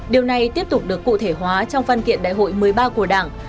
điều này tiếp tục được cụ thể hóa trong văn kiện đại hội một mươi ba của đảng